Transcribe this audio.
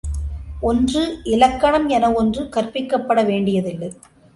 ஒன்று இலக்கணம் என ஒன்று கற்பிக்கப்பட வேண்டியதில்லை.